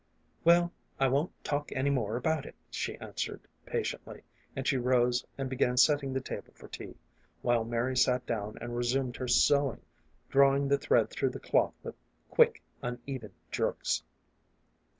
"Well, I won't talk any more about it," she answered, patiently ; and she rose and began setting the table for tea, while Mary sat down and resumed her sewing, drawing the thread through the cloth with quick, uneven jerks.